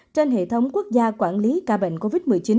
trên hệ thống quốc gia quản lý ca bệnh covid một mươi chín